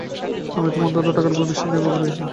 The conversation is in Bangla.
আমি তো মন্মথর টাকার উপর বিশেষ নির্ভর করি নি।